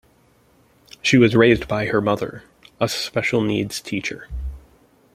She was raised by her mother, a special-needs teacher.